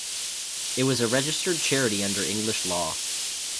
It was a registered charity under English law.